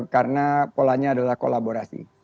karena polanya adalah kolaborasi